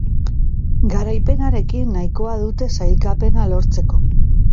Garaipenarekin nahikoa dute sailkapena lortzeko.